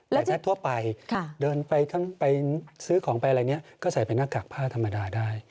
แต่ถ้าทั่วไปเดินไปซื้อของไปอะไรนี้ก็ใส่เป็นหน้ากากผ้าธรรมดาได้